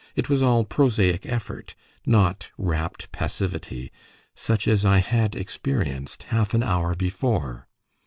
It was all prosaic effort, not rapt passivity, such as I had experienced half an hour before.